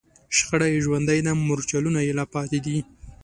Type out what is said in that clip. شخړه یې ژوندۍ ده، مورچلونه یې لا پاتې دي